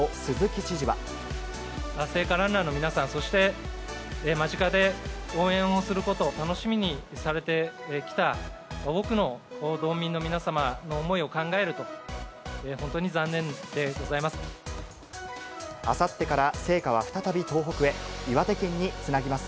聖火ランナーの皆さん、そして間近で応援をすることを楽しみにされてきた多くの道民の皆様の思いを考えると、本当に残念でございます。